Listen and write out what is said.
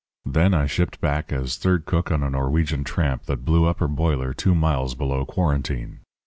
Then I shipped back as third cook on a Norwegian tramp that blew up her boiler two miles below Quarantine.